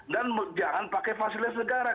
dan jangan pakai fasilitas negara